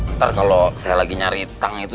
ntar kalau saya lagi nyari tang itu